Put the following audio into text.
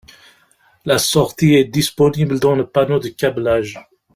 La sortie est disponible dans le panneau de câblage.